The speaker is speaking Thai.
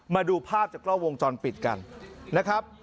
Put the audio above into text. มาดูภาพจากกล้องวงจรปิดกันนะครับ